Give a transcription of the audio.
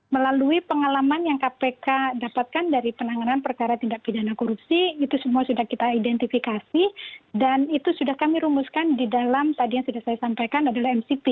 melalui pengalaman yang kpk dapatkan dari penanganan perkara tindak pidana korupsi itu semua sudah kita identifikasi dan itu sudah kami rumuskan di dalam tadi yang sudah saya sampaikan adalah mcp